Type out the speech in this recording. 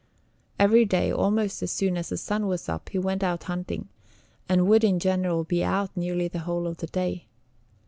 Every day, almost as soon as the sun was up, he went out hunting, and would in general be out nearly the whole of the day.